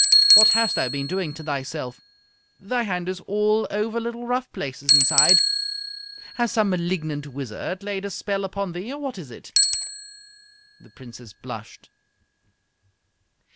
"What hast thou been doing to thyself? Thy hand is all over little rough places inside. Has some malignant wizard laid a spell upon thee, or what is it?" The Princess blushed.